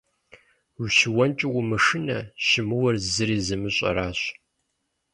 Ущыуэнкӏэ умышынэ, щымыуэр зыри зымыщӏэращ.